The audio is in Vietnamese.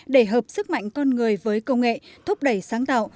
để hợp sức mạnh con người với công nghệ thúc đẩy sáng tạo